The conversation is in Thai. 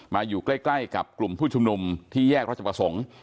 อยู่ใกล้กับกลุ่มผู้ชุมนุมที่แยกราชประสงค์